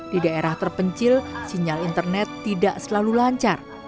di daerah terpencil sinyal internet tidak selalu lancar